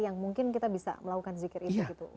yang mungkin kita bisa melakukan zikir itu gitu